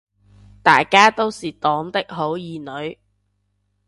大家都是黨的好兒女